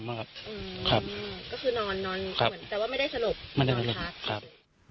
ก็คือนอนนอนแต่ว่าไม่ได้สลบ